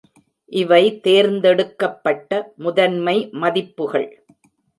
இவை தேர்ந்தெடுக்கப்பட்ட முதன்மை மதிப்புகள்.